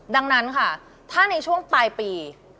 ดังนั้นค่ะถ้าในช่วงปลายปี